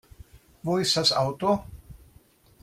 Wo ist das Auto?